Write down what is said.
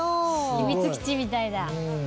「秘密基地みたいだ」